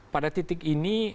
pada titik ini